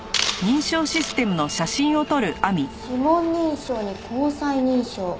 指紋認証に虹彩認証。